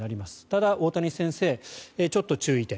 ただ、大谷先生ちょっと注意点。